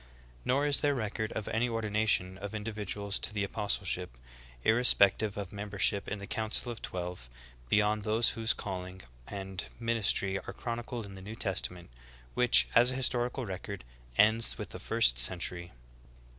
Nor is there record of any ordination of individuals to the apostleship, irrespective of membership in the council of twelve, beyond those whose calling and min istry are chronicled in the New Testament, which, as a historical record, ends v/ith the first century.